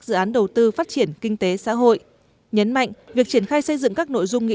dự án đầu tư phát triển kinh tế xã hội nhấn mạnh việc triển khai xây dựng các nội dung nghị